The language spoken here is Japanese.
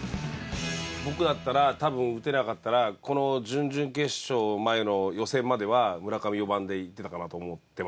僕だったら多分打てなかったらこの準々決勝前の予選までは村上４番でいってたかなと思ってました。